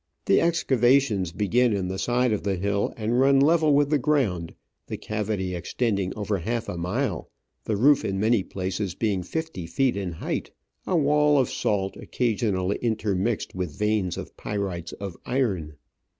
The excavations begin in the side of the hill and run level with the ground, the cavity extending over half a mile, the roof in many places being fifty feet in height — a wall of salt occasionally intermixed with veins of pyrites of iron.